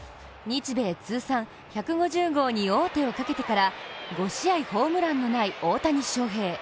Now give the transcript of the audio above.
日米通算１５０号に王手をかけてから５試合ホームランのない大谷翔平。